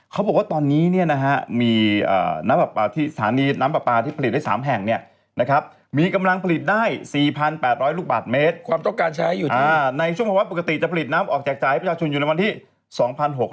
เขามีสถานีน้ำปลาที่ผลิต๓แห่ง